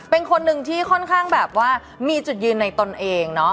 เป็นคนหนึ่งที่ค่อนข้างแบบว่ามีจุดยืนในตนเองเนาะ